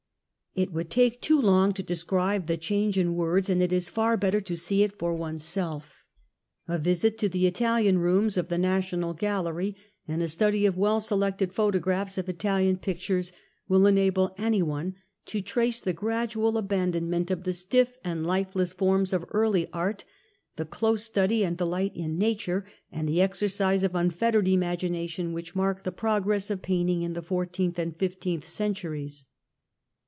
It would take too long to describe the change in words, and it is far better to see it for oneself. A visit to the Italian rooms of the National Gallery and a study of well selected photographs of Italian pictures will enable any one to trace the gradual abandonment of the stiff and lifeless forms of early art, the close study of and delight in nature, and the exercise of un fettered imagination which mark the progress of painting in the fourteenth and fifteenth centuries.